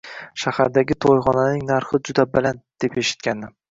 Shahardagi to`yxonaning narxi juda baland, deb eshitgandim